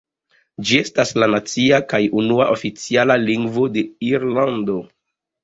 Ĝi estas la nacia kaj unua oficiala lingvo de Irlando.